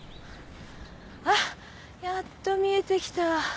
あっやっと見えてきた。